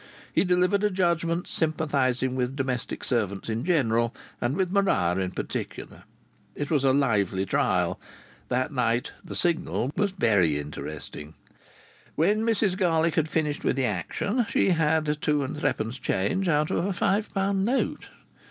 He delivered a judgment sympathizing with domestic servants in general, and with Maria in particular. It was a lively trial. That night the Signal was very interesting. When Mrs Garlick had finished with the action she had two and threepence change out of a five pound note.